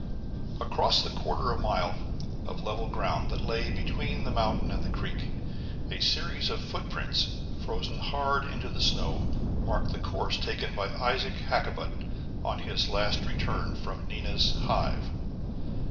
Across the quarter of a mile of level ground that lay between the mountain and the creek, a series of footprints, frozen hard into the snow, marked the course taken by Isaac Hakkabut on his last return from Nina's Hive.